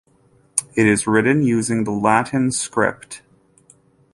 It is written using the Latin script.